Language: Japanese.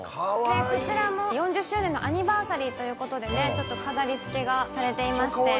こちらも４０周年のアニバーサリーということで飾り付けがされていまして。